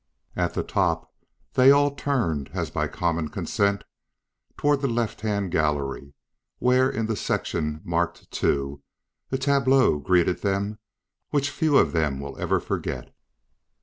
At the top they all turned, as by common consent, toward the left hand gallery, where in the section marked II, a tableau greeted them which few of them will ever forget.